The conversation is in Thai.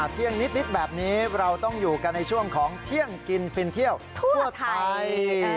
เที่ยงนิดแบบนี้เราต้องอยู่กันในช่วงของเที่ยงกินฟินเที่ยวทั่วไทย